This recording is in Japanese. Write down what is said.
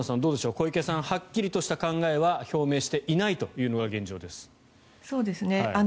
小池さんはっきりとした考えは表明していないというのが現状です。